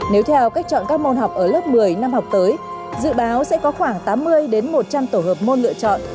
nếu theo cách chọn các môn học ở lớp một mươi năm học tới dự báo sẽ có khoảng tám mươi một trăm linh tổ hợp môn lựa chọn